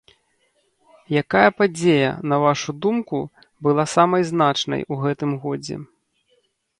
Якая падзея, на вашу думку, была самай значнай у гэтым годзе?